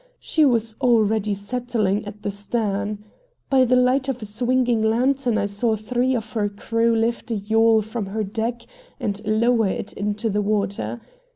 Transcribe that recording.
She was already settling at the stern. By the light of a swinging lantern I saw three of her crew lift a yawl from her deck and lower it into the water.